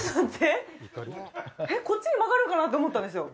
こっちに曲がるんかなと思ったんですよ。